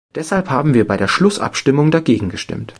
Deshalb haben wir bei der Schlussabstimmung dagegen gestimmt.